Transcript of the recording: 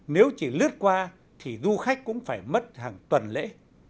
nếu chỉ lướt qua thì du khách cũng phải mất hàng tuần lễ